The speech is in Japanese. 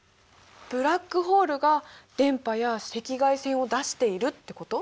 ブラックホールが電波や赤外線を出しているってこと？